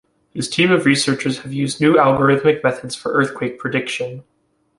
His team of researchers have used new algorithmic methods for earthquake prediction.